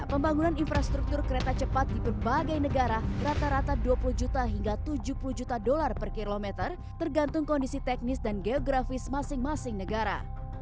pembangunan infrastruktur kereta cepat di berbagai negara rata rata dua puluh juta hingga tujuh puluh juta dolar per kilometer tergantung kondisi teknis dan geografis masing masing negara